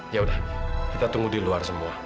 yaudah kita tunggu di luar semua